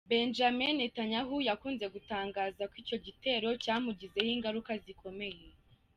Benjamin Netanyahu yakunze gutangaza ko icyo gitero cyamugizeho ingaruka zikomeye.